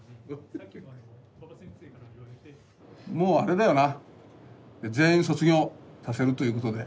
もうあれだよな全員卒業させるということで。